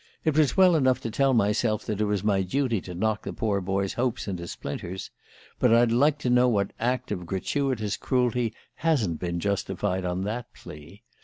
It was well enough to tell myself that it was my duty to knock the poor boy's hopes into splinters but I'd like to know what act of gratuitous cruelty hasn't been justified on that plea?